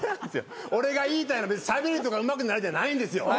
俺が言いたいのしゃべりとかうまくなれじゃないんですよ。